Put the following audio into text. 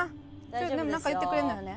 でもなんか言ってくれるのよね？